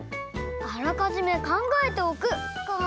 「あらかじめ考えておく」か。